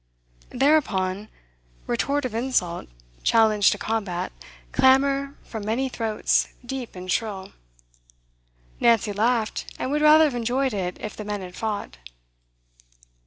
Thereupon, retort of insult, challenge to combat, clamour from many throats, deep and shrill. Nancy laughed, and would rather have enjoyed it if the men had fought.